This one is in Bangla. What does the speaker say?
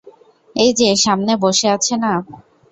এই যে সামনে বসে আছে না?